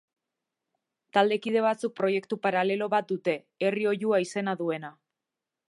Taldekide batzuk proiektu paralelo bat dute, Herri Oihua izena duena.